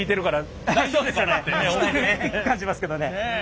低く感じますけどね。